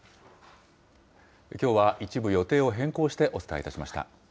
きょうは一部予定を変更してお伝えいたしました。